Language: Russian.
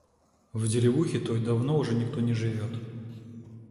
В деревухе той давно уже никто не живёт.